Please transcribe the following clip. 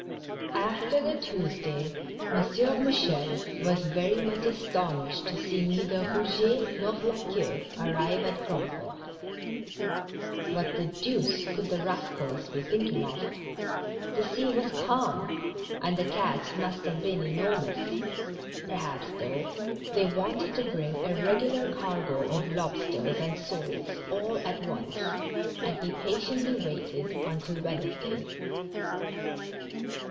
FTEE the Tuesday, M. Mouchel was very much astonished to see neither Eouget nor La Queue arrive at Grandport. What the deuce could the rascals be thinking of? The sea was calm, and the catch must have been enormous; perhaps, though, they wanted to bring a regular cargo of lobsters and soles all at once, and he patiently waited until Wednesday.